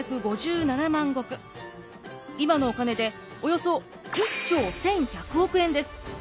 今のお金でおよそ１兆１，１００億円です。